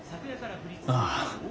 ああ。